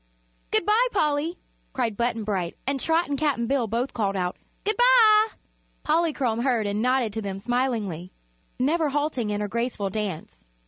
"Good bye, Polly!" cried Button Bright, and Trot and Cap'n Bill both called out: "Good bye!" Polychrome heard and nodded to them smilingly, never halting in her graceful dance.